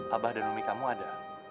abah dan umi kamu ada